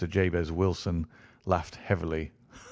Jabez Wilson laughed heavily.